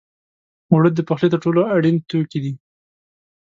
اوړه د پخلي تر ټولو اړین توکي دي